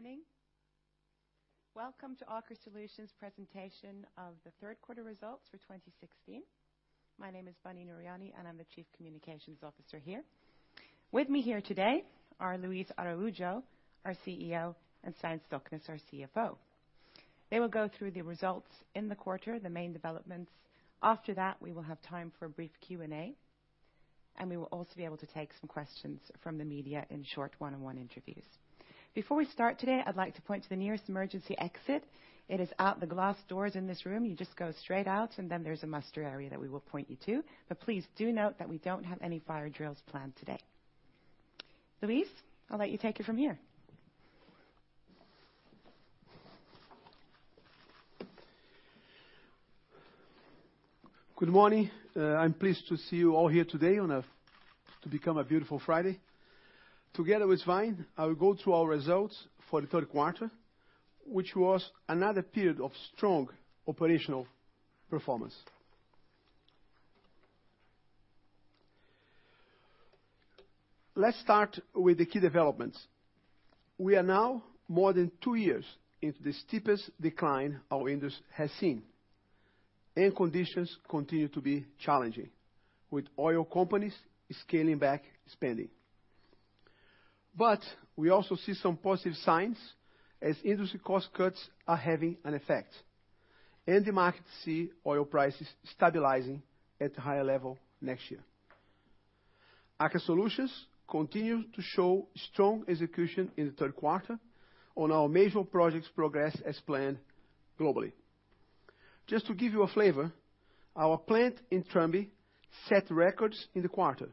Good morning. Welcome to Aker Solutions' presentation of the third quarter results for 2016. My name is Bunny Noerhadi, I'm the Chief Communications Officer here. With me here today are Luis Araujo, our CEO, and Svein Stoknes, our CFO. They will go through the results in the quarter, the main developments. After that, we will have time for a brief Q&A, we will also be able to take some questions from the media in short one-on-one interviews. Before we start today, I'd like to point to the nearest emergency exit. It is out the glass doors in this room. You just go straight out, then there's a muster area that we will point you to. Please do note that we don't have any fire drills planned today. Luis, I'll let you take it from here. Good morning. I'm pleased to see you all here today on a to become a beautiful Friday. Together with Svein, I will go through our results for the third quarter, which was another period of strong operational performance. Let's start with the key developments. We are now more than two years into the steepest decline our industry has seen. Conditions continue to be challenging with oil companies scaling back spending. We also see some positive signs as industry cost cuts are having an effect, and the market see oil prices stabilizing at a higher level next year. Aker Solutions continue to show strong execution in the third quarter on our major projects progress as planned globally. Just to give you a flavor, our plant in Tromsø set records in the quarter.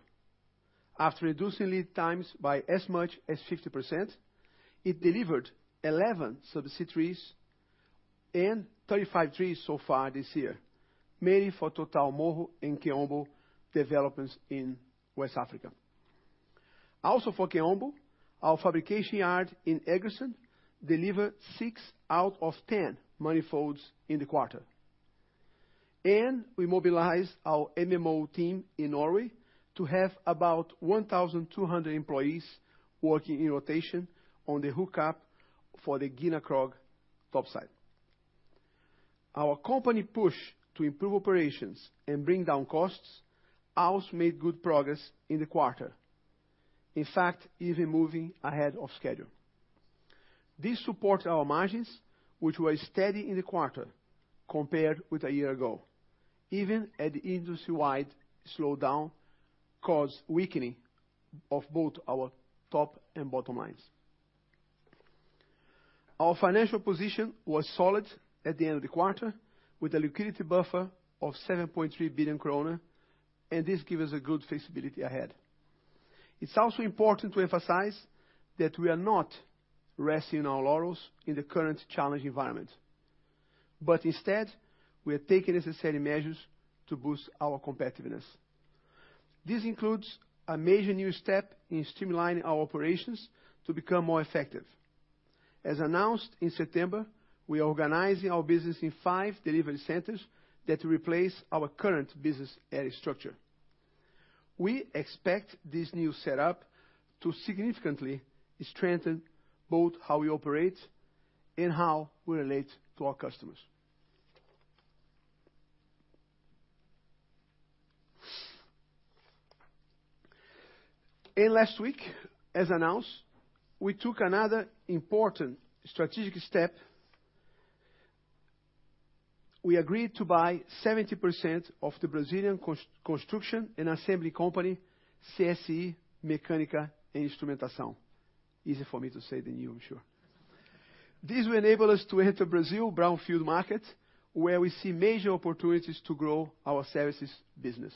After reducing lead times by as much as 50%, it delivered 11 subsea trees and 35 trees so far this year, mainly for Total Moho and Kaombo developments in West Africa. For Kaombo, our fabrication yard in Egersund delivered 6 out of 10 manifolds in the quarter. We mobilized our MMO team in Norway to have about 1,200 employees working in rotation on the hookup for the Gina Krog topside. Our company push to improve operations and bring down costs also made good progress in the quarter. In fact, even moving ahead of schedule. This supports our margins, which were steady in the quarter compared with a year ago, even at the industry-wide slowdown caused weakening of both our top and bottom lines. Our financial position was solid at the end of the quarter, with a liquidity buffer of 7.3 billion kroner, and this gives us a good feasibility ahead. It's also important to emphasize that we are not resting on our laurels in the current challenging environment. Instead, we are taking necessary measures to boost our competitiveness. This includes a major new step in streamlining our operations to become more effective. As announced in September, we are organizing our business in five delivery centers that will replace our current business area structure. We expect this new setup to significantly strengthen both how we operate and how we relate to our customers. Last week, as announced, we took another important strategic step. We agreed to buy 70% of the Brazilian construction and assembly company, CSE Mecânica e Instrumentação. Easy for me to say than you, I'm sure. This will enable us to enter Brazil brownfield market, where we see major opportunities to grow our services business.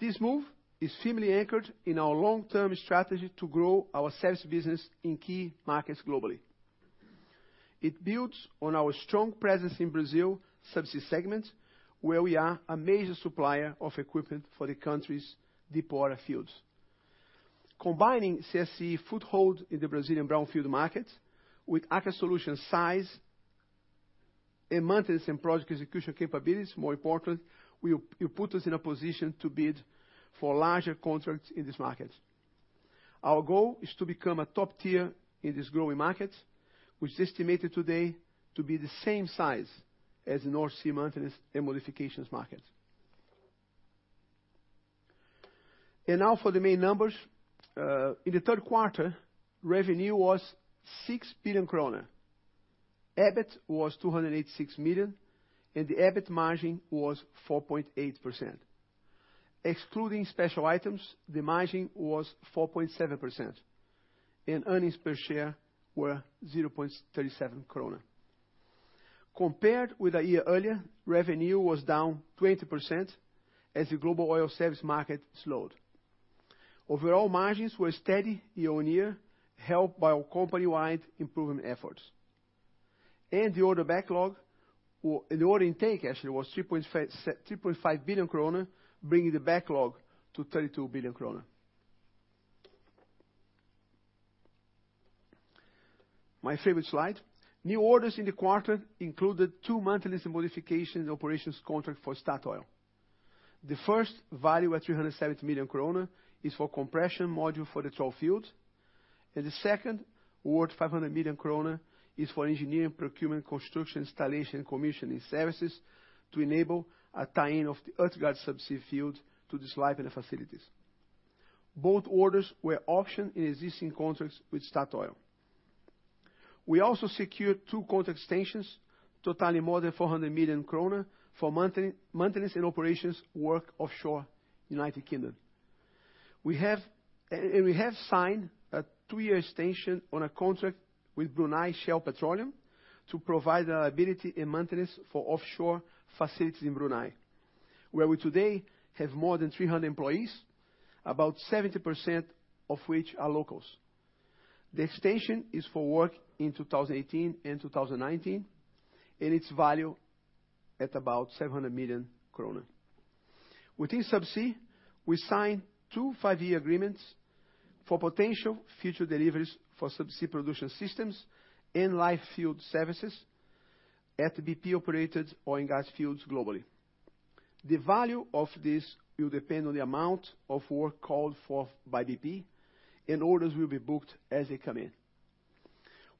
This move is firmly anchored in our long-term strategy to grow our service business in key markets globally. It builds on our strong presence in Brazil subsea segment, where we are a major supplier of equipment for the country's deepwater fields. Combining CSE's foothold in the Brazilian brownfield market with Aker Solutions' size and maintenance and project execution capabilities, more important, will put us in a position to bid for larger contracts in this market. Our goal is to become a top tier in this growing market, which is estimated today to be the same size as the North Sea maintenance and modifications market. Now for the main numbers. In the third quarter, revenue was 6 billion kroner. EBIT was 286 million. The EBIT margin was 4.8%. Excluding special items, the margin was 4.7%, and earnings per share were 0.37 krone. Compared with a year earlier, revenue was down 20% as the global oil service market slowed. Overall margins were steady year-on-year, helped by our company-wide improvement efforts. The order intake actually was 3.5 billion kroner, bringing the backlog to 32 billion kroner. My favorite slide. New orders in the quarter included two maintenance and modification and operations contract for Statoil. The first value at 370 million krone is for compression module for the Troll field. The second worth 500 million krone is for engineering, procurement, construction, installation, and commissioning services to enable a tie-in of the Utgard subsea field to the Sleipner facilities. Both orders were optioned in existing contracts with Statoil. We also secured two contract extensions totaling more than 400 million kroner for maintenance and operations work offshore United Kingdom. We have signed a two-year extension on a contract with Brunei Shell Petroleum to provide reliability and maintenance for offshore facilities in Brunei, where we today have more than 300 employees, about 70% of which are locals. The extension is for work in 2018 and 2019. It's valued at about 700 million kroner. Within subsea, we signed two five-year agreements for potential future deliveries for subsea production systems and life-of-field services at BP-operated oil and gas fields globally. The value of this will depend on the amount of work called for by BP and orders will be booked as they come in.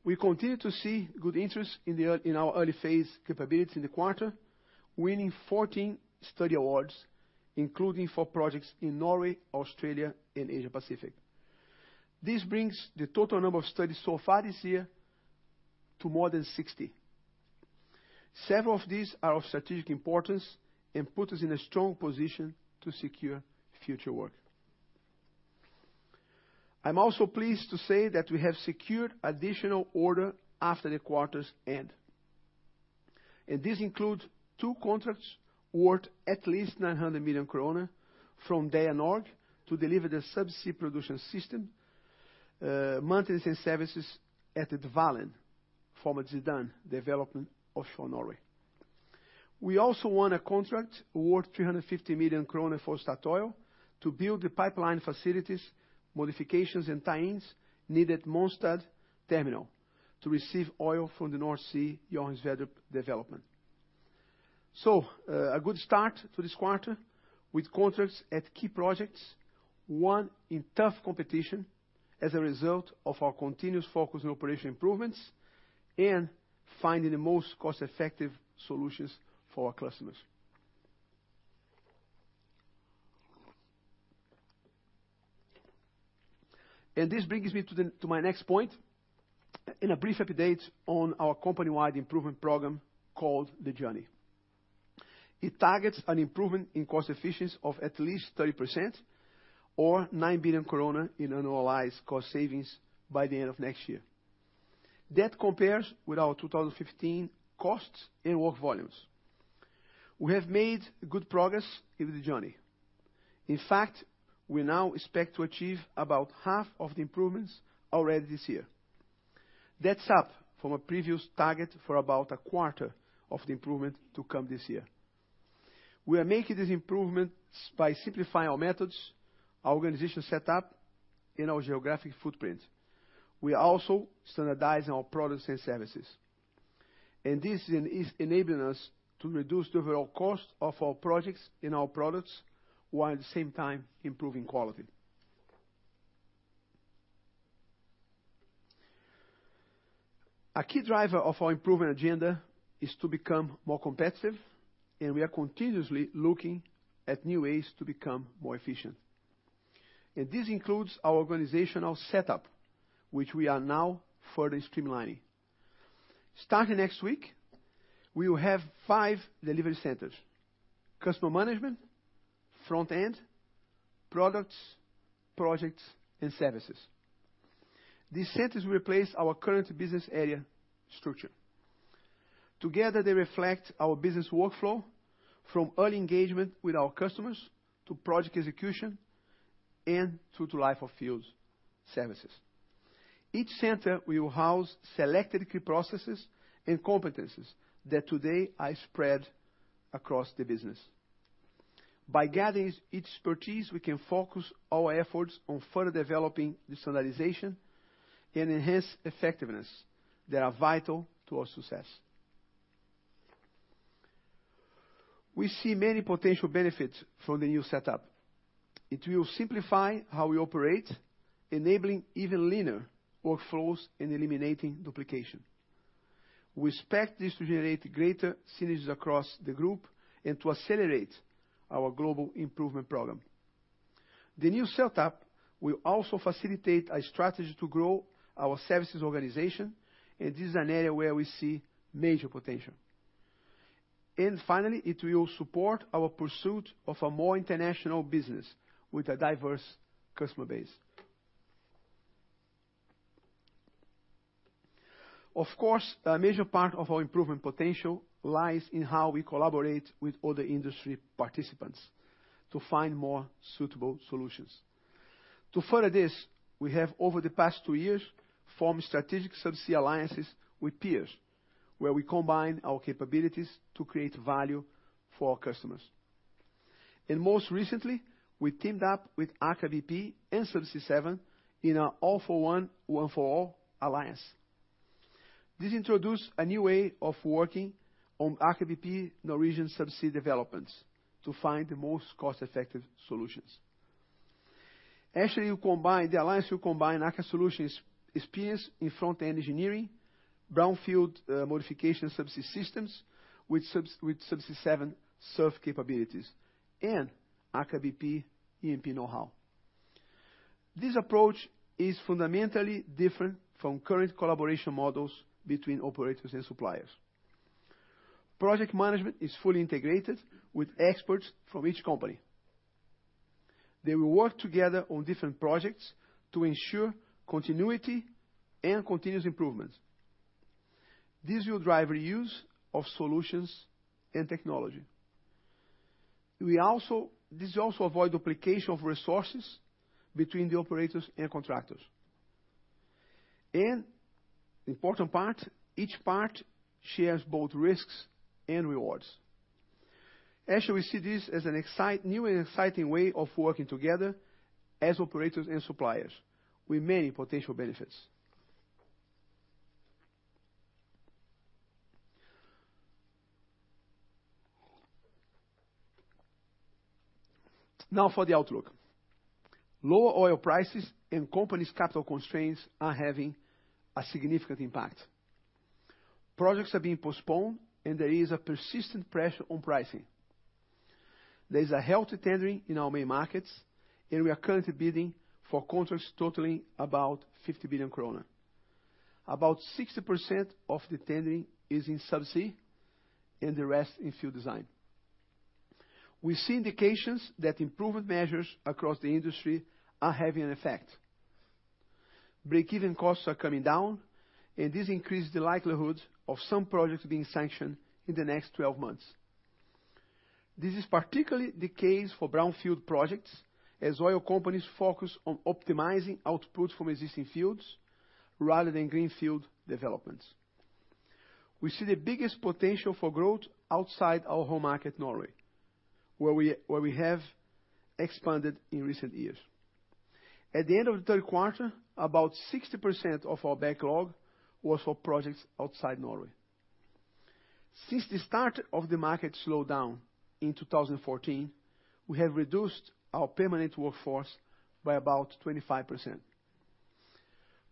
We continue to see good interest in our early phase capability in the quarter, winning 14 study awards, including four projects in Norway, Australia, and Asia Pacific. This brings the total number of studies so far this year to more than 60. Several of these are of strategic importance and put us in a strong position to secure future work. I'm also pleased to say that we have secured additional order after the quarter's end. This includes 2 contracts worth at least 900 million kroner from DEA Norge to deliver the subsea production system, maintenance and services at the Dvalin, former Zidane development offshore Norway. We also won a contract worth 350 million krone for Statoil to build the pipeline facilities, modifications, and tie-ins needed at Mongstad Terminal to receive oil from the North Sea Johan Sverdrup development. A good start to this quarter with contracts at key projects, won in tough competition as a result of our continuous focus on operation improvements and finding the most cost-effective solutions for our customers. This brings me to my next point, and a brief update on our company-wide improvement program called The Journey. It targets an improvement in cost efficiency of at least 30% or 9 billion in annualized cost savings by the end of next year. That compares with our 2015 costs and work volumes. We have made good progress in The Journey. In fact, we now expect to achieve about half of the improvements already this year. That's up from a previous target for about a quarter of the improvement to come this year. We are making these improvements by simplifying our methods, our organization setup, and our geographic footprint. We are also standardizing our products and services. This is enabling us to reduce the overall cost of our projects and our products, while at the same time improving quality. A key driver of our improvement agenda is to become more competitive, and we are continuously looking at new ways to become more efficient. This includes our organizational setup, which we are now further streamlining. Starting next week, we will have five delivery centers: customer management, front end, products, projects, and services. These centers will replace our current business area structure. Together, they reflect our business workflow from early engagement with our customers to project execution and through to life-of-field services. Each center will house selected key processes and competencies that today are spread across the business. By gathering each expertise, we can focus our efforts on further developing the standardization and enhance effectiveness that are vital to our success. We see many potential benefits from the new setup. It will simplify how we operate, enabling even leaner workflows and eliminating duplication. We expect this to generate greater synergies across the group and to accelerate our global improvement program. The new setup will also facilitate our strategy to grow our services organization, this is an area where we see major potential. Finally, it will support our pursuit of a more international business with a diverse customer base. Of course, a major part of our improvement potential lies in how we collaborate with other industry participants to find more suitable solutions. To further this, we have over the past two years formed strategic subsea alliances with peers, where we combine our capabilities to create value for our customers. Most recently, we teamed up with Aker BP and Subsea 7 in our all for one for all alliance. This introduce a new way of working on Aker BP Norwegian Subsea developments to find the most cost-effective solutions. Actually, the alliance, you combine Aker Solutions experience in front-end engineering, brownfield, modification subsea systems with Subsea 7 SURF capabilities and Aker BP E&P know-how. This approach is fundamentally different from current collaboration models between operators and suppliers. Project management is fully integrated with experts from each company. They will work together on different projects to ensure continuity and continuous improvement. This will drive reuse of solutions and technology. This also avoid duplication of resources between the operators and contractors. Important part, each part shares both risks and rewards. Actually, we see this as a new and exciting way of working together as operators and suppliers with many potential benefits. Now for the outlook. Lower oil prices and companies' capital constraints are having a significant impact. Projects are being postponed, and there is a persistent pressure on pricing. There is a healthy tendering in our main markets. We are currently bidding for contracts totaling about 50 billion kroner. About 60% of the tendering is in Subsea, the rest in Field Design. We see indications that improvement measures across the industry are having an effect. Break-even costs are coming down. This increases the likelihood of some projects being sanctioned in the next 12 months. This is particularly the case for brownfield projects as oil companies focus on optimizing output from existing fields rather than greenfield developments. We see the biggest potential for growth outside our home market, Norway, where we have expanded in recent years. At the end of the third quarter, about 60% of our backlog was for projects outside Norway. Since the start of the market slowdown in 2014, we have reduced our permanent workforce by about 25%.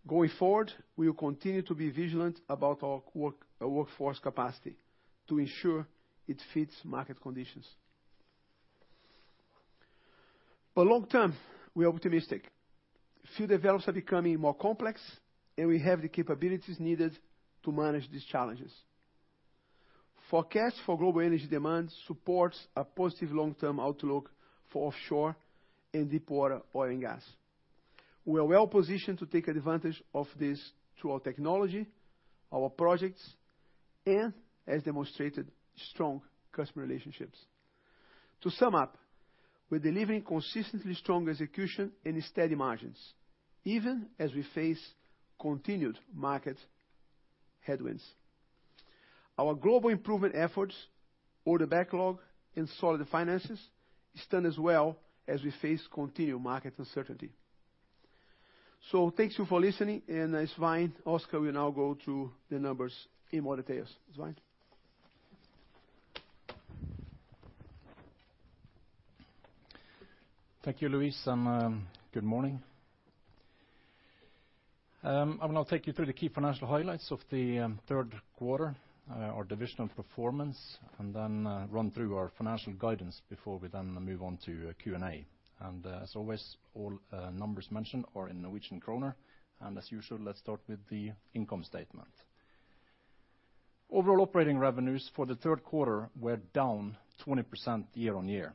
Going forward, we will continue to be vigilant about our workforce capacity to ensure it fits market conditions. Long term, we are optimistic. Field develops are becoming more complex, and we have the capabilities needed to manage these challenges. Forecast for global energy demand supports a positive long-term outlook for offshore and deepwater oil and gas. We are well-positioned to take advantage of this through our technology, our projects, and, as demonstrated, strong customer relationships. To sum up, we're delivering consistently strong execution and steady margins, even as we face continued market headwinds. Our global improvement efforts, order backlog, and solid finances stand as well as we face continued market uncertainty. Thank you for listening, and Svein Oscar will now go through the numbers in more details. Svein? Thank you, Luis. Good morning. I will now take you through the key financial highlights of the third quarter, our divisional performance, run through our financial guidance before we then move on to Q&A. As always, all numbers mentioned are in Norwegian kroner. As usual, let's start with the income statement. Overall operating revenues for the third quarter were down 20% year-on-year.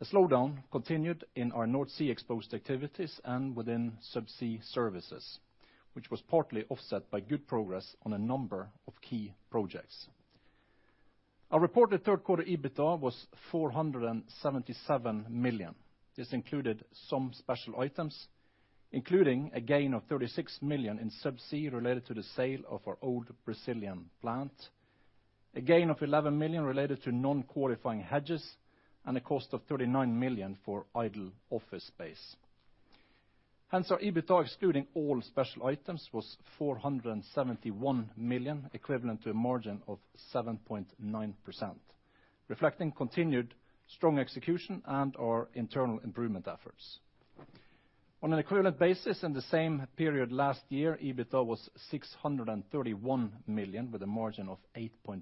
The slowdown continued in our North Sea-exposed activities and within subsea services, which was partly offset by good progress on a number of key projects. Our reported third quarter EBITA was 477 million. This included some special items, including a gain of 36 million in Subsea related to the sale of our old Brazilian plant, a gain of 11 million related to non-qualifying hedges, and a cost of 39 million for idle office space. Our EBITA, excluding all special items, was 471 million, equivalent to a margin of 7.9%, reflecting continued strong execution and our internal improvement efforts. On an equivalent basis, in the same period last year, EBITA was 631 million, with a margin of 8.5%.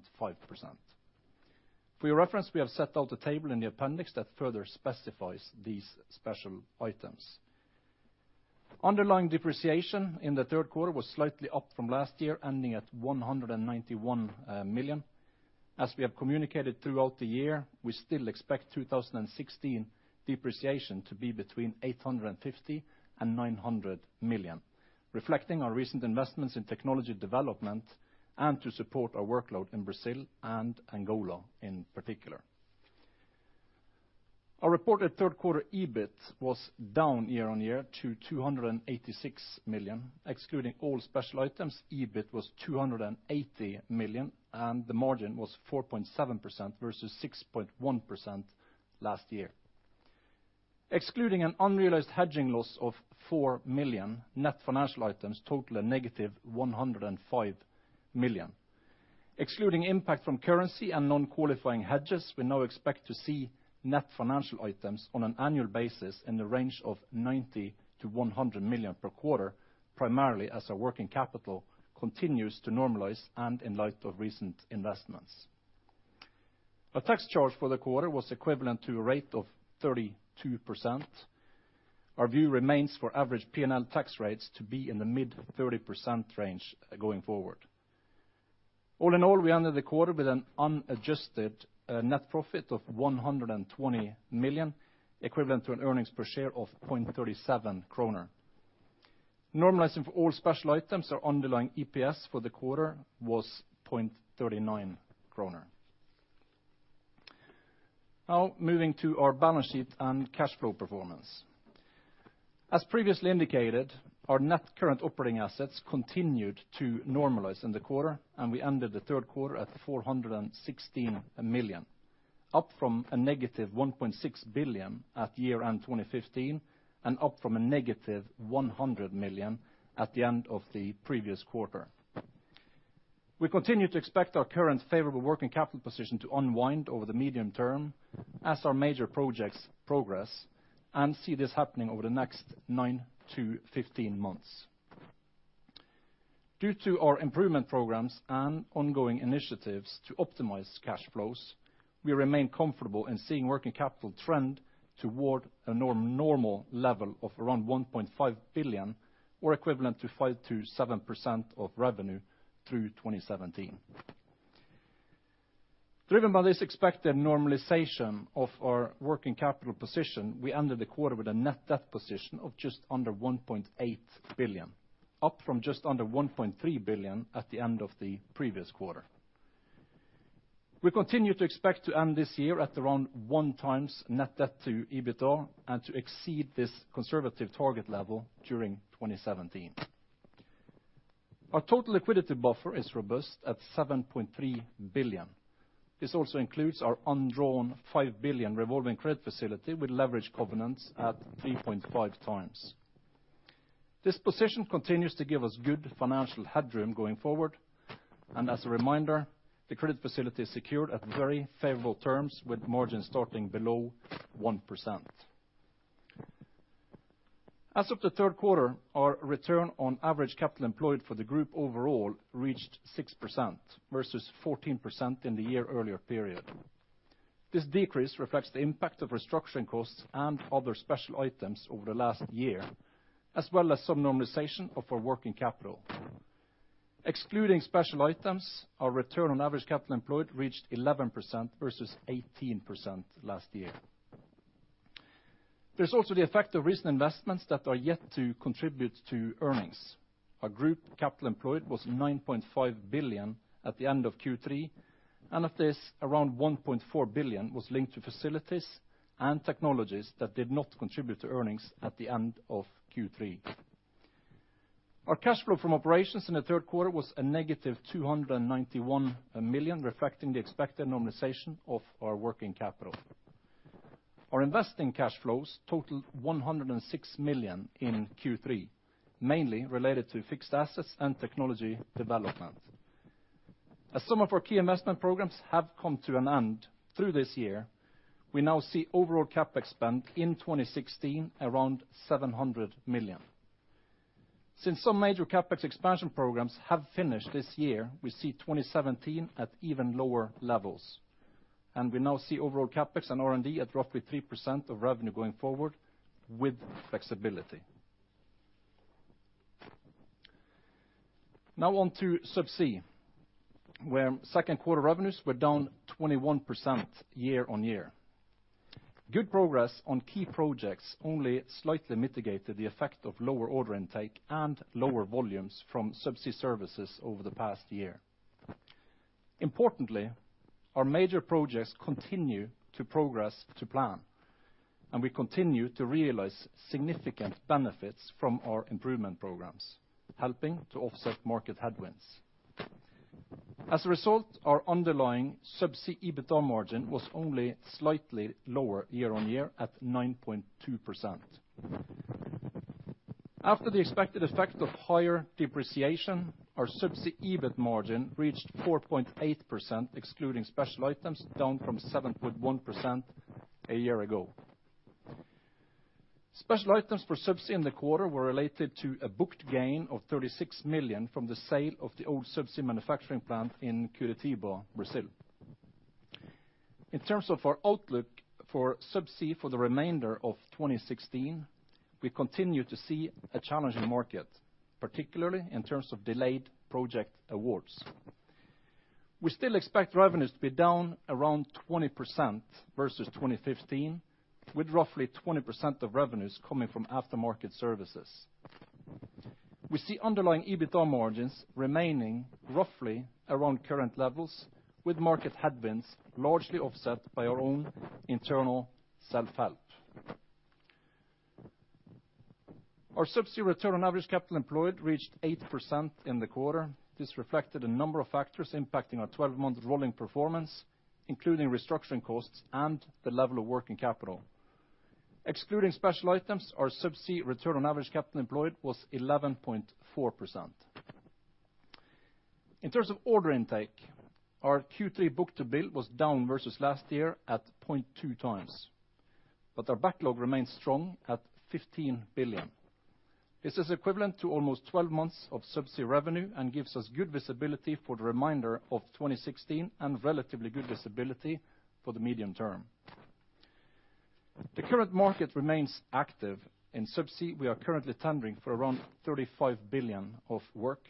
For your reference, we have set out a table in the appendix that further specifies these special items. Underlying depreciation in the third quarter was slightly up from last year, ending at 191 million. As we have communicated throughout the year, we still expect 2016 depreciation to be between 850 million and 900 million, reflecting our recent investments in technology development and to support our workload in Brazil and Angola in particular. Our reported third quarter EBIT was down year-on-year to 286 million. Excluding all special items, EBIT was 280 million, and the margin was 4.7% versus 6.1% last year. Excluding an unrealized hedging loss of 4 million, net financial items totaled a negative 105 million. Excluding impact from currency and non-qualifying hedges, we now expect to see net financial items on an annual basis in the range of 90 million–100 million per quarter, primarily as our working capital continues to normalize and in light of recent investments. A tax charge for the quarter was equivalent to a rate of 32%. Our view remains for average P&L tax rates to be in the mid-30% range going forward. All in all, we ended the quarter with an unadjusted net profit of 120 million, equivalent to an earnings per share of 0.37 kroner. Normalizing for all special items, our underlying EPS for the quarter was 0.39 kroner. Now moving to our balance sheet and cash flow performance. As previously indicated, our net current operating assets continued to normalize in the quarter, and we ended the third quarter at 416 million, up from a negative 1.6 billion at year-end 2015, and up from a negative 100 million at the end of the previous quarter. We continue to expect our current favorable working capital position to unwind over the medium term as our major projects progress and see this happening over the next 9–15 months. Due to our improvement programs and ongoing initiatives to optimize cash flows, we remain comfortable in seeing working capital trend toward a normal level of around 1.5 billion or equivalent to 5%–7% of revenue through 2017. Driven by this expected normalization of our working capital position, we ended the quarter with a net debt position of just under 1.8 billion, up from just under 1.3 billion at the end of the previous quarter. We continue to expect to end this year at around 1 times net debt to EBITA and to exceed this conservative target level during 2017. Our total liquidity buffer is robust at 7.3 billion. This also includes our undrawn 5 billion revolving credit facility with leverage covenants at 3.5x. This position continues to give us good financial headroom going forward. As a reminder, the credit facility is secured at very favorable terms with margins starting below 1%. As of the third quarter, our return on average capital employed for the group overall reached 6% versus 14% in the year-earlier period. This decrease reflects the impact of restructuring costs and other special items over the last year, as well as some normalization of our working capital. Excluding special items, our return on average capital employed reached 11% versus 18% last year. There's also the effect of recent investments that are yet to contribute to earnings. Our group capital employed was 9.5 billion at the end of Q3. Of this, around 1.4 billion was linked to facilities and technologies that did not contribute to earnings at the end of Q3. Our cash flow from operations in the third quarter was a negative 291 million, reflecting the expected normalization of our working capital. Our investing cash flows totaled 106 million in Q3, mainly related to fixed assets and technology development. As some of our key investment programs have come to an end through this year, we now see overall CapEx spend in 2016 around 700 million. Since some major CapEx expansion programs have finished this year, we see 2017 at even lower levels. We now see overall CapEx and R&D at roughly 3% of revenue going forward with flexibility. Now on to Subsea, where second quarter revenues were down 21% year-on-year. Good progress on key projects only slightly mitigated the effect of lower order intake and lower volumes from Subsea services over the past year. Importantly, our major projects continue to progress to plan, and we continue to realize significant benefits from our improvement programs, helping to offset market headwinds. As a result, our underlying Subsea EBITDA margin was only slightly lower year-on-year at 9.2%. After the expected effect of higher depreciation, our Subsea EBIT margin reached 4.8%, excluding special items, down from 7.1% a year ago. Special items for Subsea in the quarter were related to a booked gain of 36 million from the sale of the old Subsea manufacturing plant in Curitiba, Brazil. In terms of our outlook for Subsea for the remainder of 2016, we continue to see a challenging market, particularly in terms of delayed project awards. We still expect revenues to be down around 20% versus 2015, with roughly 20% of revenues coming from aftermarket services. We see underlying EBITDA margins remaining roughly around current levels, with market headwinds largely offset by our own internal self-help. Our Subsea return on average capital employed reached 8% in the quarter. This reflected a number of factors impacting our 12-month rolling performance, including restructuring costs and the level of working capital. Excluding special items, our Subsea return on average capital employed was 11.4%. In terms of order intake, our Q3 book-to-bill was down versus last year at 0.2 times. Our backlog remains strong at 15 billion. This is equivalent to almost 12 months of Subsea revenue, and gives us good visibility for the remainder of 2016, and relatively good visibility for the medium term. The current market remains active. In Subsea, we are currently tendering for around 35 billion of work.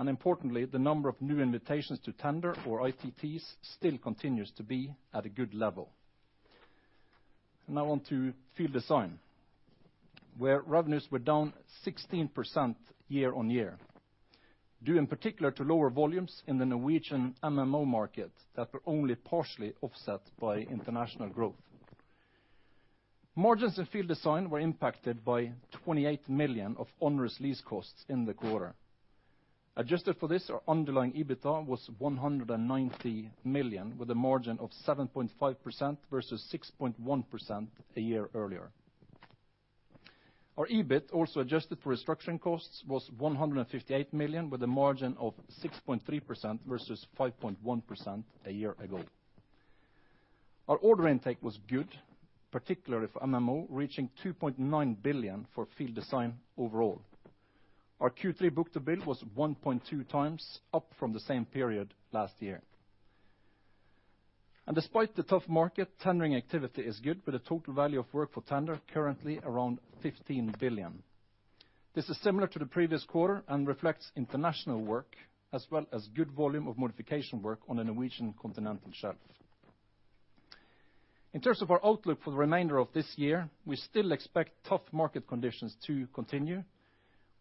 Importantly, the number of new invitations to tender or ITTs still continues to be at a good level. On to Field Design, where revenues were down 16% year-on-year, due in particular to lower volumes in the Norwegian MMO market that were only partially offset by international growth. Margins in Field Design were impacted by 28 million of onerous lease costs in the quarter. Adjusted for this, our underlying EBITA was 190 million, with a margin of 7.5% versus 6.1% a year earlier. Our EBIT, also adjusted for restructuring costs, was 158 million with a margin of 6.3% versus 5.1% a year ago. Our order intake was good, particularly for MMO, reaching 2.9 billion for Field Design overall. Our Q3 book-to-bill was 1.2 times, up from the same period last year. Despite the tough market, tendering activity is good, with a total value of work for tender currently around 15 billion. This is similar to the previous quarter, and reflects international work as well as good volume of modification work on the Norwegian continental shelf. In terms of our outlook for the remainder of this year, we still expect tough market conditions to continue.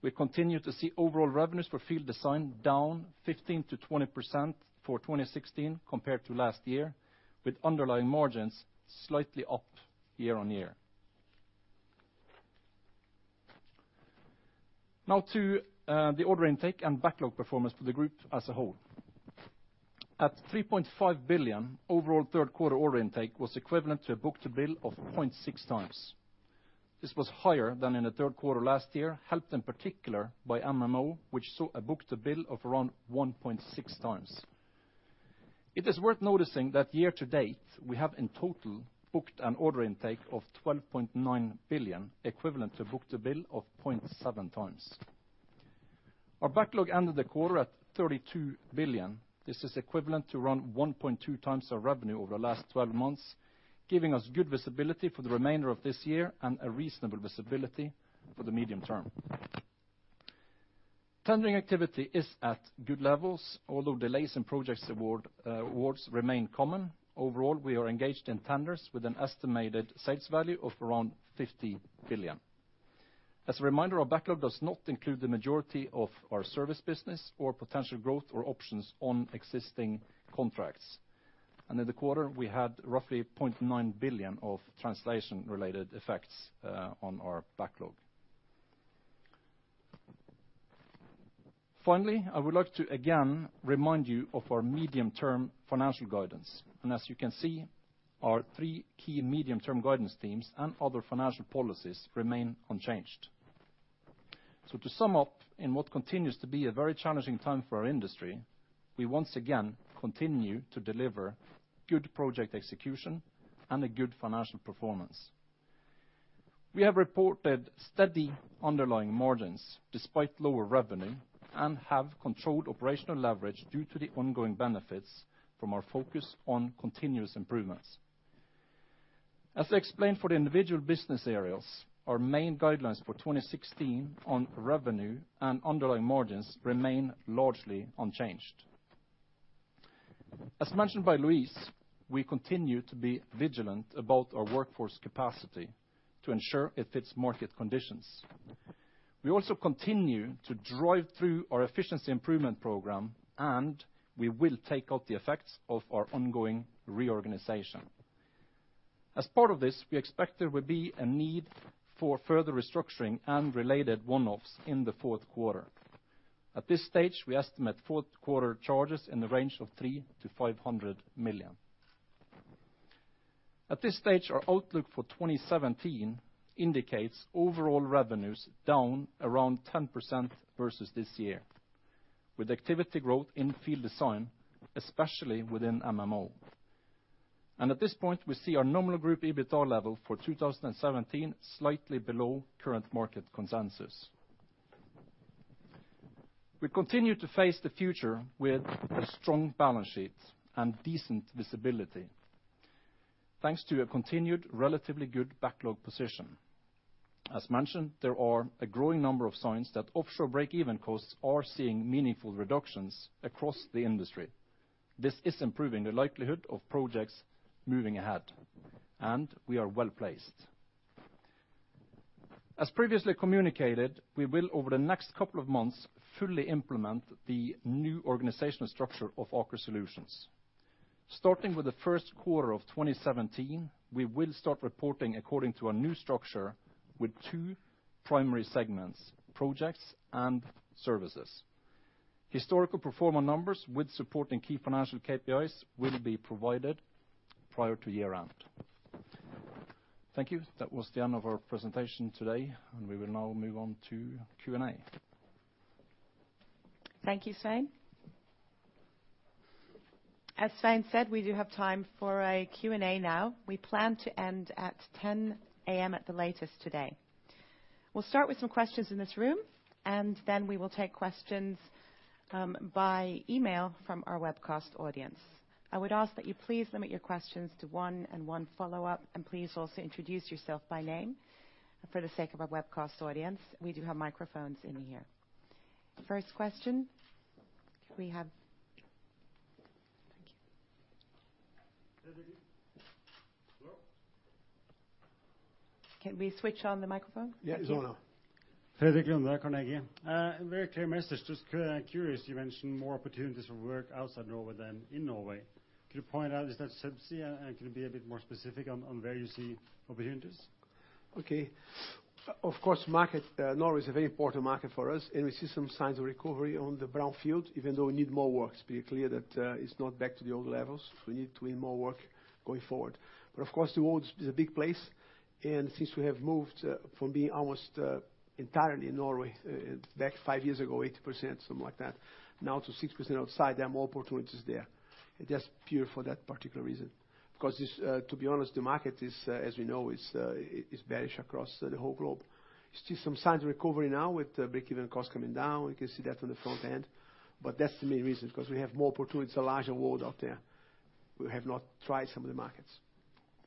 We continue to see overall revenues for Field Design down 15%-20% for 2016 compared to last year, with underlying margins slightly up year-on-year. Now to the order intake and backlog performance for the group as a whole. At 3.5 billion, overall third quarter order intake was equivalent to a book-to-bill of 0.6x. This was higher than in the third quarter last year, helped in particular by MMO, which saw a book-to-bill of around 1.6 times. It is worth noticing that year-to-date we have in total booked an order intake of 12.9 billion, equivalent to a book-to-bill of 0.7 times. Our backlog ended the quarter at 32 billion. This is equivalent to around 1.2 times our revenue over the last 12 months, giving us good visibility for the remainder of this year, and a reasonable visibility for the medium term. Tendering activity is at good levels, although delays in projects awards remain common. Overall, we are engaged in tenders with an estimated sales value of around 50 billion. As a reminder, our backlog does not include the majority of our service business or potential growth or options on existing contracts. In the quarter, we had roughly 0.9 billion of translation-related effects on our backlog. Finally, I would like to again remind you of our medium-term financial guidance. As you can see, our three key medium-term guidance themes and other financial policies remain unchanged. To sum up, in what continues to be a very challenging time for our industry, we once again continue to deliver good project execution and a good financial performance. We have reported steady underlying margins despite lower revenue, and have controlled operational leverage due to the ongoing benefits from our focus on continuous improvements. As I explained for the individual business areas, our main guidelines for 2016 on revenue and underlying margins remain largely unchanged. As mentioned by Luis, we continue to be vigilant about our workforce capacity to ensure it fits market conditions. We also continue to drive through our efficiency improvement program, we will take out the effects of our ongoing reorganization. As part of this, we expect there will be a need for further restructuring and related one-offs in the fourth quarter. At this stage, we estimate fourth quarter charges in the range of 300 million-500 million. At this stage, our outlook for 2017 indicates overall revenues down around 10% versus this year, with activity growth in Field Design, especially within MMO. At this point, we see our nominal group EBITA level for 2017 slightly below current market consensus. We continue to face the future with a strong balance sheet and decent visibility, thanks to a continued relatively good backlog position. As mentioned, there are a growing number of signs that offshore break-even costs are seeing meaningful reductions across the industry. This is improving the likelihood of projects moving ahead, and we are well-placed. As previously communicated, we will over the next couple of months fully implement the new organizational structure of Aker Solutions. Starting with the 1st quarter of 2017, we will start reporting according to our new structure with two primary segments, projects and services. Historical pro forma numbers with supporting key financial KPIs will be provided prior to year-end. Thank you. That was the end of our presentation today, and we will now move on to Q&A. Thank you, Svein. As Svein said, we do have time for a Q&A now. We plan to end at 10:00 A.M. at the latest today. We'll start with some questions in this room, and then we will take questions by email from our webcast audience. I would ask that you please limit your questions to one and one follow-up, and please also introduce yourself by name. For the sake of our webcast audience, we do have microphones in here. First question we have. Thank you. Can we switch on the microphone? Yeah, it's on now. A very clear message. Just curious, you mentioned more opportunities for work outside Norway than in Norway. Could you point out, is that subsea? Can you be a bit more specific on where you see opportunities? Okay. Market, Norway is a very important market for us, and we see some signs of recovery on the brownfield, even though we need more works. Be clear that it's not back to the old levels. We need to win more work going forward. The world is a big place, and since we have moved from being almost entirely in Norway, back 5 years ago, 80%, something like that, now to 60% outside, there are more opportunities there. Just pure for that particular reason. This, to be honest, the market is, as we know, is bearish across the whole globe. You see some signs of recovery now with the break-even costs coming down. We can see that on the front end. That's the main reason, because we have more opportunities, a larger world out there. We have not tried some of the markets.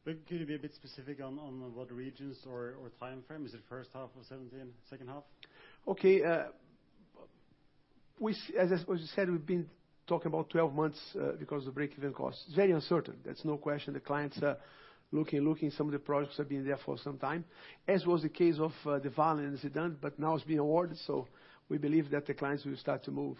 Can you be a bit specific on what regions or timeframe? Is it first half of 2017, second half? Okay. As was said, we've been talking about 12 months because of break-even costs. Very uncertain. That's no question the clients are looking. Some of the projects have been there for some time, as was the case of the Dvalin development, but now it's been awarded, we believe that the clients will start to move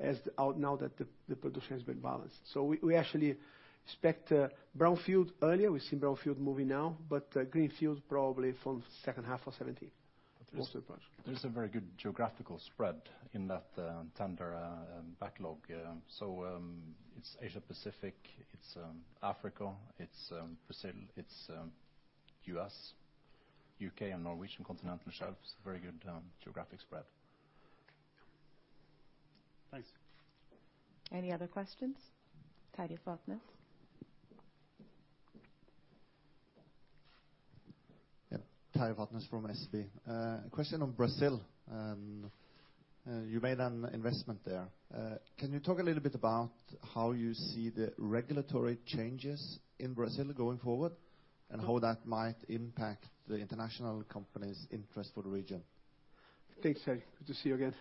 as out now that the production has been balanced. We actually expect brownfield earlier. We've seen brownfield moving now, but greenfield probably from second half of 2017. There is a very good geographical spread in that tender backlog. It's Asia Pacific, it's Africa, it's Brazil, it's U.S., U.K., and Norwegian continental shelves. Very good geographic spread. Thanks. Any other questions? Terje Vatnæs. Yeah. Terje Vatnæs from SEB. A question on Brazil. You made an investment there. Can you talk a little bit about how you see the regulatory changes in Brazil going forward, and how that might impact the international company's interest for the region? Thanks, Terje. Good to see you again.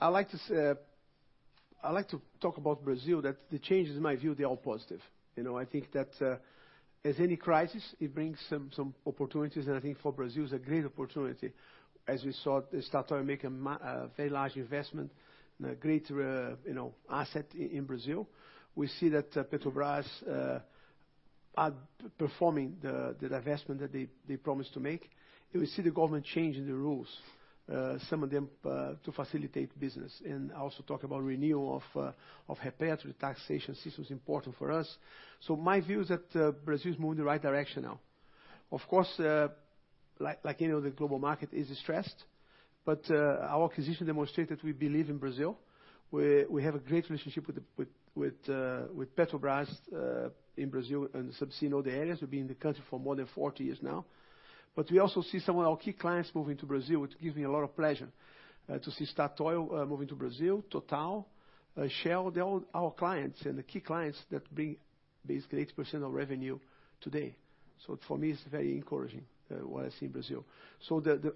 I like to talk about Brazil, that the changes, in my view, they're all positive. You know, I think that as any crisis, it brings some opportunities, and I think for Brazil, it's a great opportunity. As we saw, they start to make a very large investment and a greater, you know, asset in Brazil. We see that Petrobras are performing the divestment that they promised to make. We see the government changing the rules, some of them, to facilitate business. I also talk about renewal of Repetro. The taxation system is important for us. My view is that Brazil is moving in the right direction now. Of course, like any other global market, it is stressed, our acquisition demonstrate that we believe in Brazil. We have a great relationship with Petrobras in Brazil and subsea in all the areas. We've been in the country for more than 40 years now. We also see some of our key clients moving to Brazil, which gives me a lot of pleasure to see Statoil moving to Brazil, Total, Shell. They're all our clients and the key clients that bring basically 80% of revenue today. For me, it's very encouraging what I see in Brazil.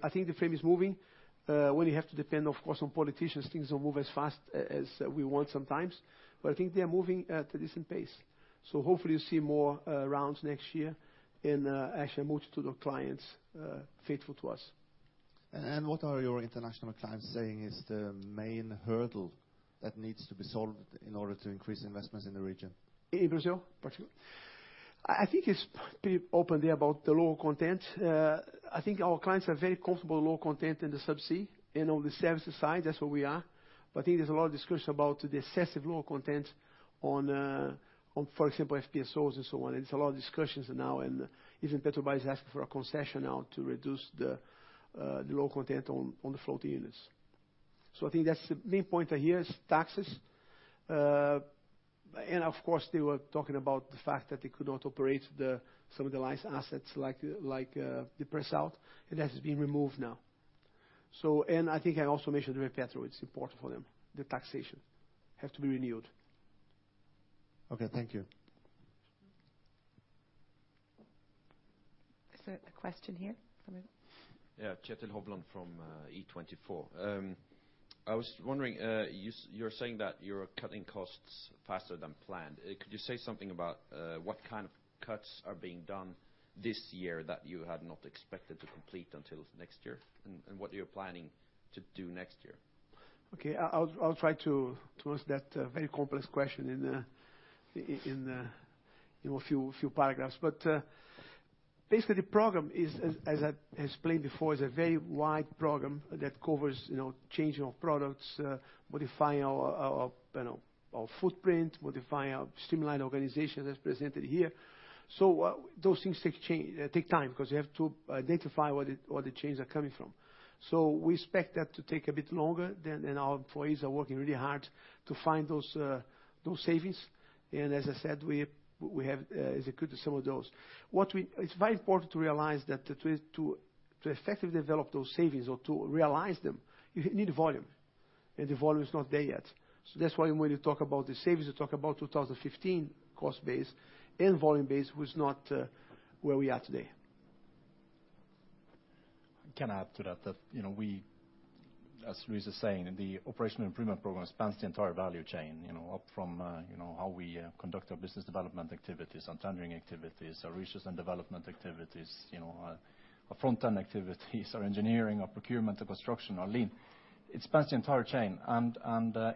I think the frame is moving. When you have to depend, of course, on politicians, things don't move as fast as we want sometimes. I think they are moving at a decent pace. Hopefully you'll see more rounds next year and actually a multitude of clients faithful to us. What are your international clients saying is the main hurdle that needs to be solved in order to increase investments in the region? In Brazil, particularly. I think it's pretty open there about the local content. I think our clients are very comfortable local content in the subsea, you know, the services side, that's where we are. I think there's a lot of discussion about the excessive local content on, for example, FPSOs and so on. It's a lot of discussions now. Even Petrobras is asking for a concession now to reduce the local content on the floating units. I think that's the main point I hear is taxes. Of course, they were talking about the fact that they could not operate some of the licensed assets like the pre-salt. It has been removed now. I think I also mentioned Repetro, it's important for them. The taxation has to be renewed. Okay. Thank you. Is there a question here? Coming. Kjetil Hovland from E24. I was wondering, you're saying that you're cutting costs faster than planned. Could you say something about what kind of cuts are being done this year that you had not expected to complete until next year, and what you're planning to do next year? Okay. I'll try to answer that very complex question in a few paragraphs. Basically the program is, as I explained before, is a very wide program that covers, changing of products, modifying our footprint, modifying our streamlined organization as presented here. Those things take time because you have to identify where the changes are coming from. We expect that to take a bit longer then, and our employees are working really hard to find those savings. As I said, we have executed some of those. It's very important to realize that to effectively develop those savings or to realize them, you need volume, and the volume is not there yet. That's why when you talk about the savings, you talk about 2015 cost base and volume base, which is not where we are today. Can I add to that, you know, we, as Luis is saying, the operational improvement program spans the entire value chain, you know, up from, you know, how we conduct our business development activities, our tendering activities, our resources and development activities, you know, our front-end activities, our engineering, our procurement, our construction, our lean. It spans the entire chain, and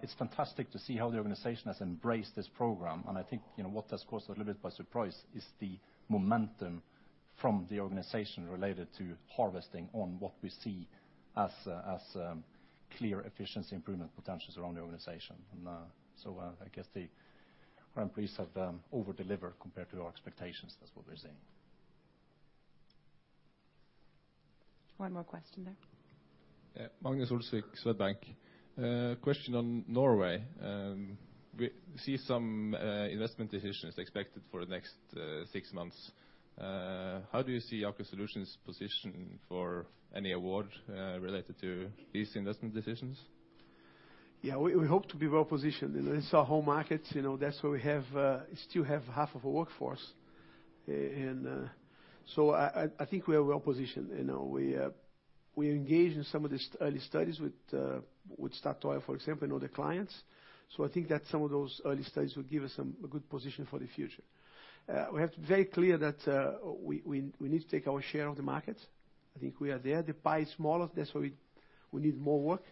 it's fantastic to see how the organization has embraced this program. I think, you know, what has caused a little bit by surprise is the momentum from the organization related to harvesting on what we see as clear efficiency improvement potentials around the organization. I guess the program priests have over-delivered compared to our expectations. That's what we're seeing. One more question there. Yeah. Magnus Olsvik, Swedbank. Question on Norway. We see some investment decisions expected for the next six months. How do you see Aker Solutions' position for any award related to these investment decisions? We hope to be well positioned. You know, it's our home market. You know, that's where we still have half of our workforce. I think we are well positioned. You know, we engage in some of the early studies with Statoil, for example, and other clients. I think that some of those early studies will give us a good position for the future. We have to be very clear that we need to take our share of the market. I think we are there. The pie is smaller. That's why we need more work.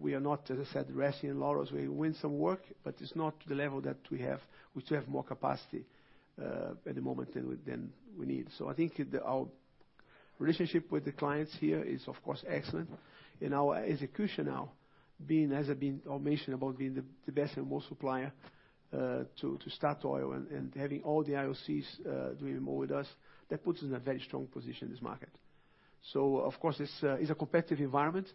We are not, as I said, resting on laurels. We win some work, but it's not to the level that we have. We still have more capacity at the moment than we need. I think our relationship with the clients here is of course excellent. Our execution now being, as I've been, or mentioned about being the best and most supplier to Statoil and having all the IOCs doing more with us, that puts us in a very strong position in this market. Of course, it's a competitive environment,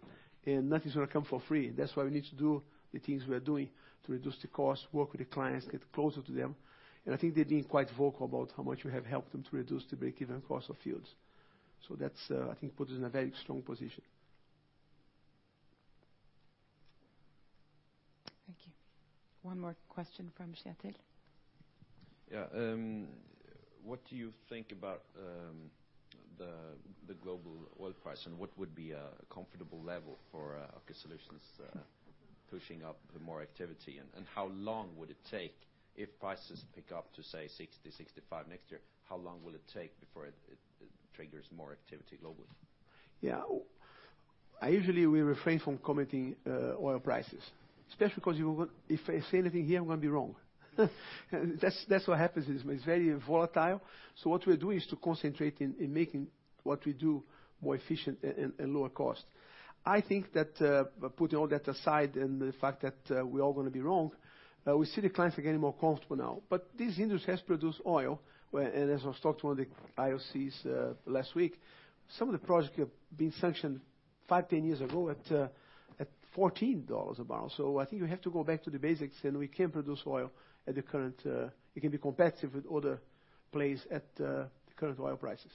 and nothing's going to come for free. That's why we need to do the things we are doing to reduce the cost, work with the clients, get closer to them. I think they've been quite vocal about how much we have helped them to reduce the break-even cost of fields. That's, I think puts us in a very strong position. Thank you. One more question from Kjetil. Yeah. What do you think about the global oil price, and what would be a comfortable level for Aker Solutions pushing up more activity? How long would it take if prices pick up to, say, 60, 65 next year? How long will it take before it triggers more activity globally? I usually will refrain from commenting oil prices, especially because you won't if I say anything here, I'm gonna be wrong. That's what happens is it's very volatile. What we're doing is to concentrate in making what we do more efficient and lower cost. I think that, putting all that aside and the fact that we're all gonna be wrong, we see the clients are getting more comfortable now. This industry has produced oil where... As I was talking to one of the IOCs last week, some of the projects have been sanctioned 5, 10 years ago at $14 a barrel. I think we have to go back to the basics, and we can produce oil at the current, it can be competitive with other place at the current oil prices.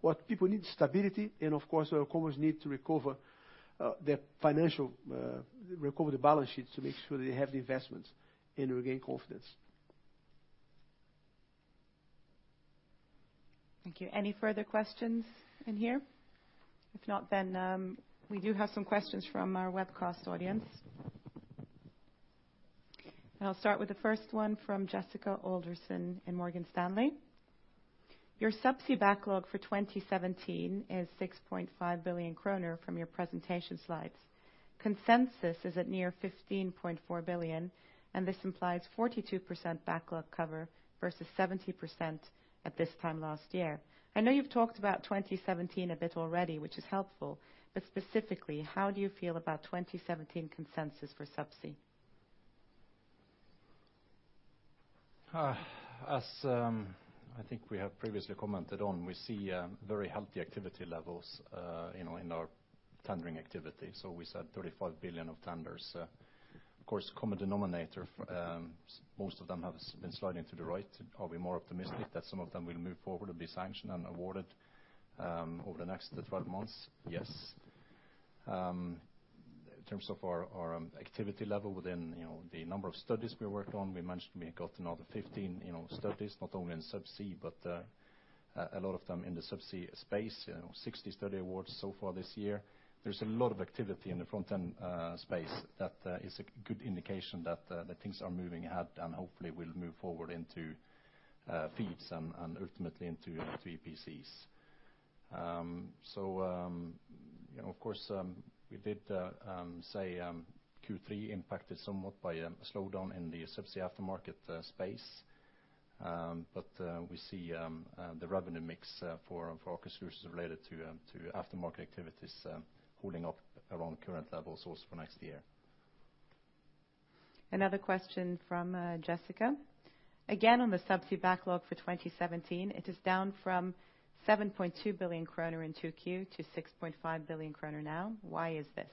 What people need is stability, and of course, oil companies need to recover, their financial, recover the balance sheets to make sure they have the investments and regain confidence. Thank you. Any further questions in here? If not, then we do have some questions from our webcast audience. I'll start with the first one from Jessica Alderson in Morgan Stanley. Your Subsea backlog for 2017 is 6.5 billion kroner from your presentation slides. Consensus is at near 15.4 billion, and this implies 42% backlog cover versus 70% at this time last year. I know you've talked about 2017 a bit already, which is helpful, but specifically, how do you feel about 2017 consensus for Subsea? As I think we have previously commented on, we see very healthy activity levels, you know, in our tendering activity. We said 35 billion of tenders. Of course, common denominator for most of them have been sliding to the right. Are we more optimistic that some of them will move forward and be sanctioned and awarded over the next 12 months? Yes. In terms of our activity level within, you know, the number of studies we worked on, we managed, we got another 15, you know, studies, not only in Subsea, but a lot of them in the Subsea space. You know, 60 study awards so far this year. There's a lot of activity in the front-end space. That is a good indication that things are moving ahead. Hopefully will move forward into FEEDs and ultimately into EPCs. You know, of course, we did say Q3 impacted somewhat by a slowdown in the subsea aftermarket space. We see the revenue mix for Aker Solutions related to aftermarket activities holding up around current levels also for next year. Another question from Jessica. On the subsea backlog for 2017, it is down from 7.2 billion kroner in 2Q to 6.5 billion kroner now. Why is this?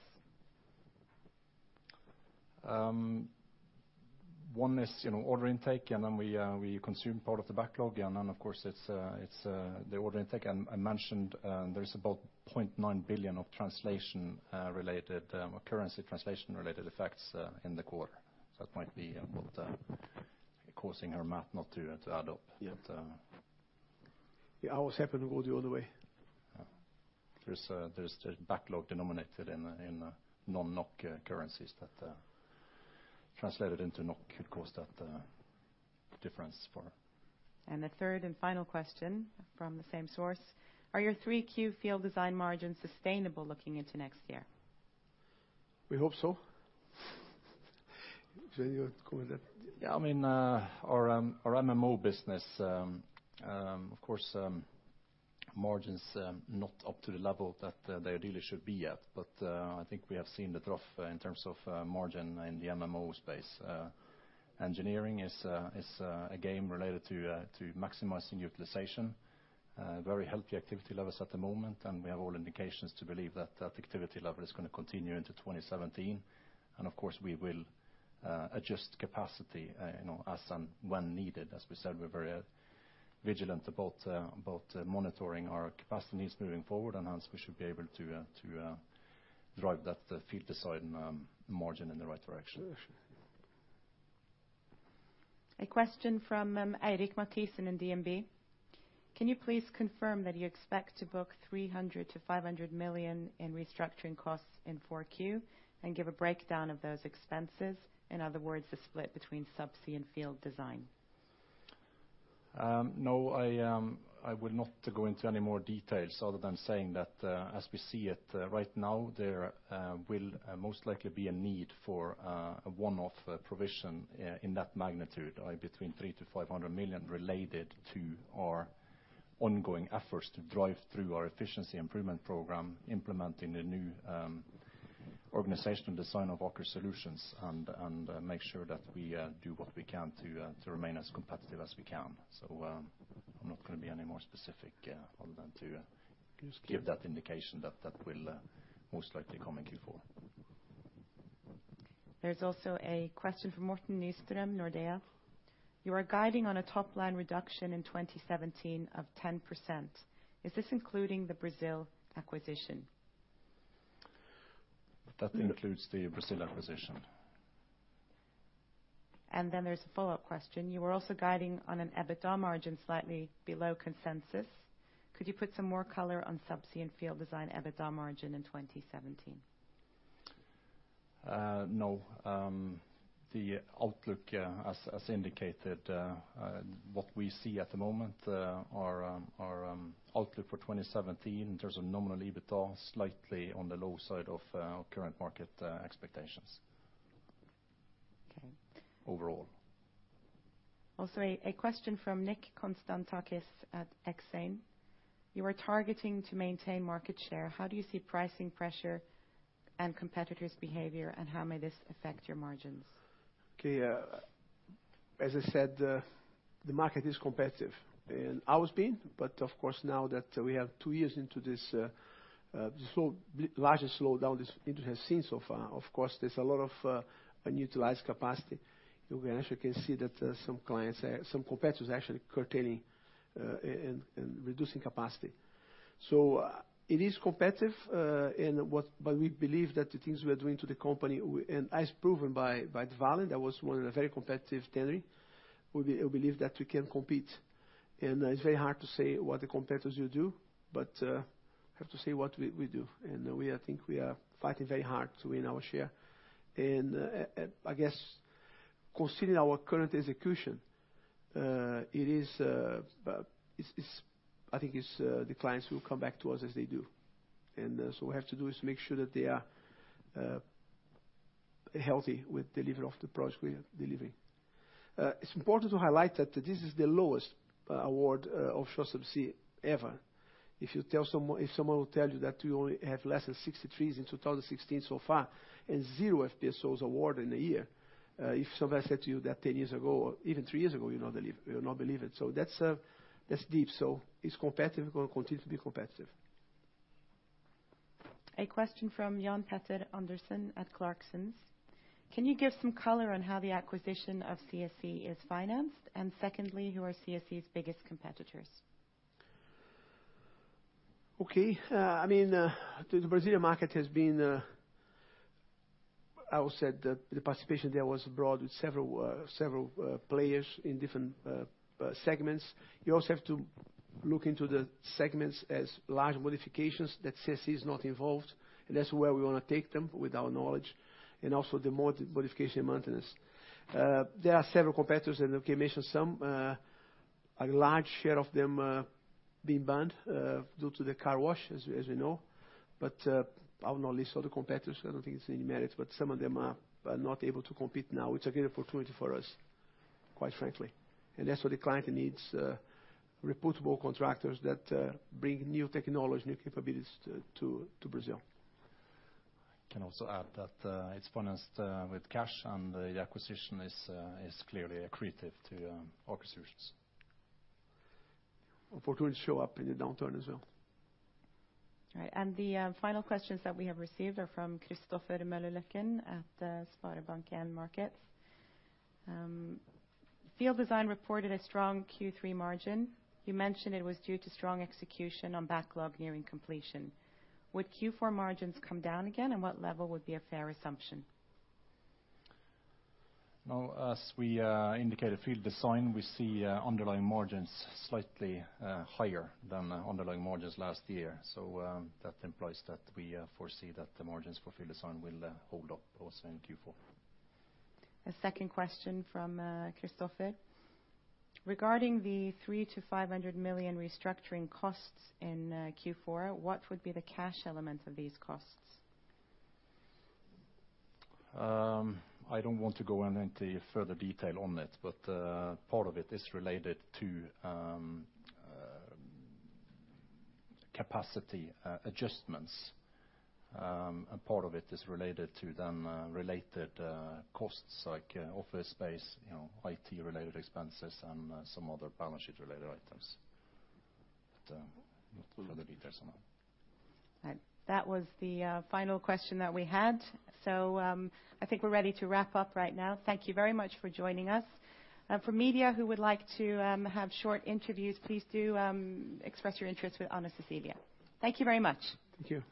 One is, you know, order intake, and then we consume part of the backlog. Then, of course, it's the order intake. I mentioned, there's about 0.9 billion of currency translation-related effects in the quarter. That might be what causing her math not to add up. Yeah. But, um... Yeah, ours happen to go the other way. There's the backlog denominated in non-NOK currencies that translated into NOK could cause that difference for her. The third and final question from the same source. Are your 3Q Field Design margins sustainable looking into next year? We hope so. Jenny, you want to comment that? I mean, our MMO business, of course, margin's not up to the level that they ideally should be at. I think we have seen the trough in terms of margin in the MMO space. Engineering is a game related to maximizing utilization. Very healthy activity levels at the moment, and we have all indications to believe that that activity level is going to continue into 2017. Of course, we will adjust capacity, you know, as and when needed. As we said, we're very vigilant about monitoring our capacity needs moving forward. Hence, we should be able to drive that Field Design margin in the right direction. Sure, sure. A question from Eirik Mathisen in DNB. Can you please confirm that you expect to book 300 million-500 million in restructuring costs in 4Q, and give a breakdown of those expenses, in other words, the split between subsea and Field Design? No, I will not go into any more details other than saying that, as we see it, right now, there will most likely be a need for a one-off provision in that magnitude, between 300 million-500 million related to our ongoing efforts to drive through our efficiency improvement program, implementing the new organizational design of Aker Solutions and make sure that we do what we can to remain as competitive as we can. I'm not gonna be any more specific other than. Just give- give that indication that that will most likely come in Q4. There's also a question from Morten Nystrøm, Nordea. You are guiding on a top-line reduction in 2017 of 10%. Is this including the Brazil acquisition? That includes the Brazil acquisition. There's a follow-up question. You are also guiding on an EBITDA margin slightly below consensus. Could you put some more color on subsea and Field Design EBITDA margin in 2017? No. The outlook, as indicated, what we see at the moment, our outlook for 2017 in terms of nominal EBITDA slightly on the low side of current market expectations. Okay. Overall. A question from Nico Constantakis at Exane. You are targeting to maintain market share. How do you see pricing pressure and competitors' behavior, and how may this affect your margins? As I said, the market is competitive and always been. Of course, now that we are two years into this, largest slowdown this industry has seen so far, of course, there's a lot of unutilized capacity. You actually can see that some clients, some competitors actually curtailing and reducing capacity. It is competitive, we believe that the things we are doing to the company, and as proven by Dvalin, that was won in a very competitive tendering, we believe that we can compete. It's very hard to say what the competitors will do, but have to say what we do. I think we are fighting very hard to win our share. I guess considering our current execution, it's, I think it's, the clients will come back to us as they do. What we have to do is to make sure that they are healthy with delivery of the project we are delivering. It's important to highlight that this is the lowest award offshore subsea ever. If you tell someone, if someone will tell you that we only have less than 60 trees in 2016 so far and zero FPSOs award in a year, if someone said to you that 10 years ago or even three years ago, you not believe, you would not believe it. That's, that's deep. It's competitive. It will continue to be competitive. A question from Jan Petter Andersen at Clarksons. Can you give some color on how the acquisition of CSE is financed? Secondly, who are CSE's biggest competitors? Okay. The Brazilian market has been, I will say the participation there was broad with several players in different segments. You also have to look into the segments as large modifications that CSE is not involved, and that's where we wanna take them with our knowledge and also the modification and maintenance. There are several competitors, and I can mention some. A large share of them being banned due to the Car Wash, as you know. I'll not list all the competitors 'cause I don't think it's any merit, but some of them are not able to compete now. It's a great opportunity for us, quite frankly. That's what the client needs, reputable contractors that bring new technology, new capabilities to Brazil. I can also add that it's financed with cash, and the acquisition is clearly accretive to Aker Solutions. Opportunity show up in the downtown as well. All right. The final questions that we have received are from Christopher Moltke-Hansen at the SpareBank 1 Markets. Field Design reported a strong Q3 margin. You mentioned it was due to strong execution on backlog nearing completion. Would Q4 margins come down again, and what level would be a fair assumption? As we indicated Field Design, we see underlying margins slightly higher than underlying margins last year. That implies that we foresee that the margins for Field Design will hold up also in Q4. A second question from Christopher: regarding the 300 million-500 million restructuring costs in Q4, what would be the cash element of these costs? I don't want to go into any further detail on it, but part of it is related to capacity adjustments. A part of it is related to then related costs like office space, you know, IT-related expenses and some other balance sheet-related items. No further details on that. All right. That was the final question that we had. I think we're ready to wrap up right now. Thank you very much for joining us. For media who would like to have short interviews, please do express your interest with Anna Cecilia. Thank you very much. Thank you.